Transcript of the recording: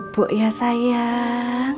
bu bu ya sayang